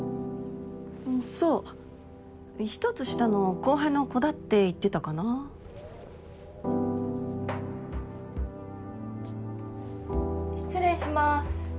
そう一つ下の後輩の子だって言ってたかな失礼します